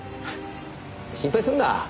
心配するな。